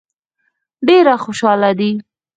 ډېر خوشاله دي.